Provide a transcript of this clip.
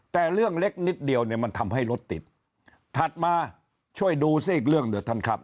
แต่เรื่องเล็กนิดเดียวเนี่ยมันทำให้รถติดถัดมาช่วยดูซิอีกเรื่องเดี๋ยวท่านครับ